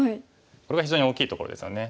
これが非常に大きいところですよね。